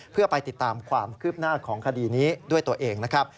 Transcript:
เพื่อไปติดตามความคืบหน้าของคดีนี้ด้วยตัวเองนะครับ